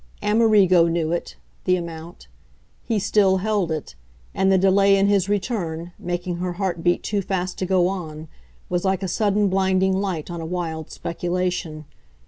Amerigo knew it, the amount; he still held it, and the delay in his return, making her heart beat too fast to go on, was like a sudden blinding light on a wild speculation.